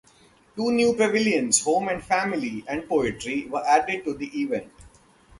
Two new pavilions, Home and Family and Poetry, were added to the event.